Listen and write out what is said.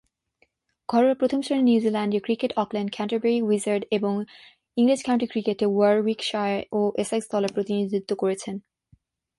ঘরোয়া প্রথম-শ্রেণীর নিউজিল্যান্ডীয় ক্রিকেটে অকল্যান্ড, ক্যান্টারবারি উইজার্ড এবং ইংরেজ কাউন্টি ক্রিকেটে ওয়ারউইকশায়ার ও এসেক্স দলের প্রতিনিধিত্ব করেছেন।